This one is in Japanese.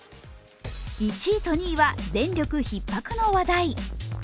１位と２位は電力ひっ迫の話題。